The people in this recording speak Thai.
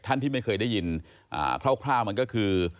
ท่านที่ไม่เคยได้ยินคร่าวมันก็คือ